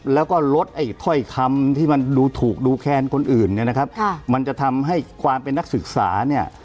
แล้วก็ลดค่อยคำที่มันดูถูกดูแค้นคนอื่นมันจะทำให้ความเป็นนักศึกษา